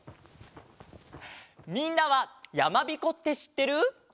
みんなはやまびこってしってる？